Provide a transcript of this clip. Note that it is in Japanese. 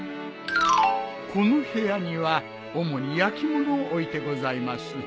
この部屋には主に焼き物を置いてございます。